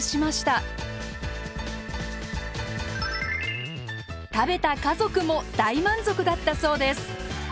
食べた家族も大満足だったそうです。